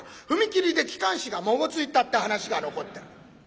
踏切で機関士がまごついたって話が残ってる。